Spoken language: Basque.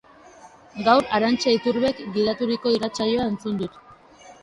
Gaur Arantxa Iturbek gidaturiko irratsaioa entzun dut.